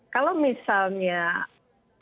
kalau misalnya sese demokrasi itu sendiri